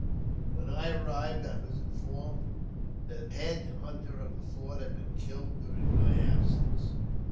When I arrived, IJwas informed that the head hunter of the fort had been killed during my absence.